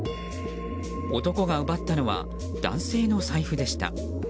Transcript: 男が奪ったのは男性の財布でした。